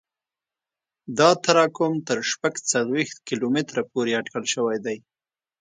دا تراکم تر شپږ څلوېښت کیلومتره پورې اټکل شوی دی